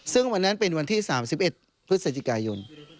ซึ่งวันนั้นเป็นวันที่๓๑พฤศจิกายน